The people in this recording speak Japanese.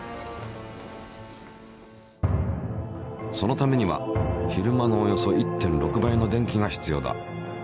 そのためには昼間のおよそ１．６倍の電気が必要だ。